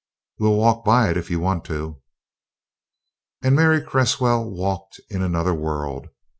"We'll walk by it if you want to." And Mary Cresswell walked in another world.